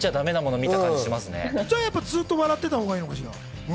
じゃあやっぱり、ずっと笑ってたほうがいいのかしら。